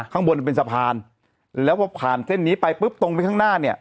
ข้างบนเป็นสะพานแล้วพอผ่านเส้นนี้ไปปุ๊บตรงไปข้างหน้าเนี่ย